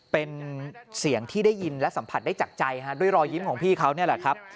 เป็นเสียงที่ได้ยินและสัมผัสได้จากใจด้วยรอยยิ้มของพี่เขานี่แหละครับ